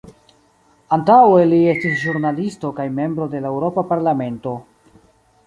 Antaŭe li estis ĵurnalisto kaj membro de la Eŭropa Parlamento.